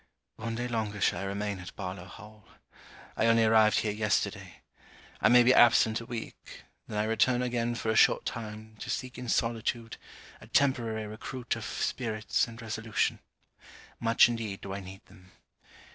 One day longer shall I remain at Barlowe Hall. I only arrived here yesterday. I may be absent a week; then I return again for a short time, to seek in solitude, a temporary recruit of spirits and resolution. Much indeed do I need them.